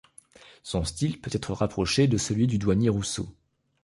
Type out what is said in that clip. Son style peut être rapproché de celui du Douanier Rousseau.